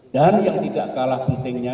dan yang tidak kalah pentingnya